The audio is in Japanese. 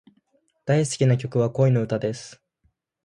大好きな曲は、恋の歌です。